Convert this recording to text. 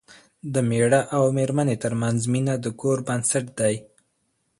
د مېړه او مېرمنې ترمنځ مینه د کور بنسټ دی.